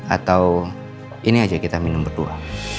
atau ini aja kita minum berdua